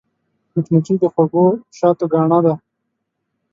مچمچۍ د خوږ شاتو ګاڼه ده